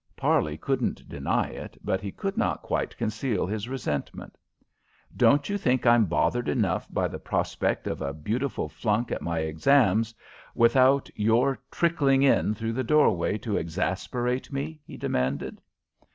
Parley couldn't deny it, but he could not quite conceal his resentment. "Don't you think I'm bothered enough by the prospect of a beautiful flunk at my exams, without your trickling in through the doorway to exasperate me?" he demanded.